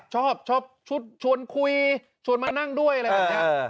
ชอบชอบชุดชวนคุยชวนมานั่งด้วยอะไรแบบนี้